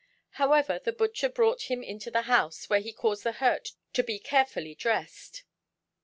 However, the butcher brought him into the house, where he caused the hurt to be carefully dressed.